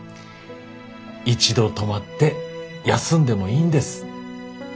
一度止まって休んでもいいんです。